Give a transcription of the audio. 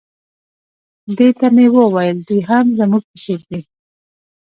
دې ته مې وویل دوی هم زموږ په څېر دي.